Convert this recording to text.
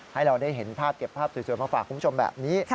ให้เราได้เห็นภาพเก็บภาพสวยมาฝากคุณผู้ชมแบบนี้